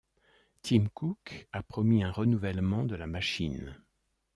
Tim Cook a promis un renouvellement de la machine.